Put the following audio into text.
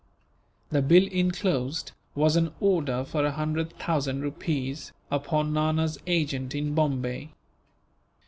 The bill enclosed was an order for a hundred thousand rupees, upon Nana's agent in Bombay.